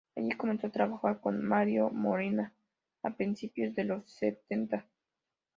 Allí comenzó a trabajar con Mario Molina a principios de los setenta.